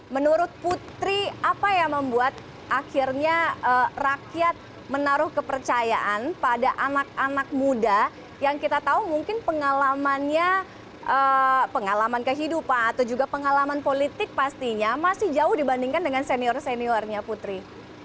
menurut putri apa yang membuat akhirnya rakyat menaruh kepercayaan pada anak anak muda yang kita tahu mungkin pengalamannya pengalaman kehidupan atau juga pengalaman politik pastinya masih jauh dibandingkan dengan senior seniornya putri